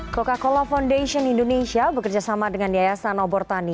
coca cola foundation indonesia bekerjasama dengan yayasan obor tani